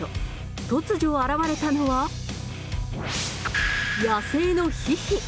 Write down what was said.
突如現れたのは、野生のヒヒ。